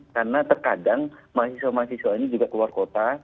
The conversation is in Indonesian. karena terkadang mahasiswa mahasiswa ini juga keluar kota